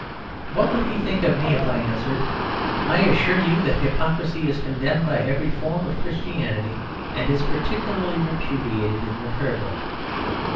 What would he think of me if I answered, "I assure you that hypocrisy is condemned by every form of Christianity; and is particularly repudiated in the Prayer Book"?